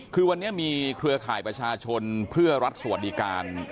คือวันนี้มีเครือข่ายประชาชนเพื่อรัฐสวัสดิการ